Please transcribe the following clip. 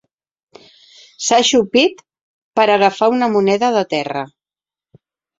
S'ha ajupit per agafar una moneda de terra.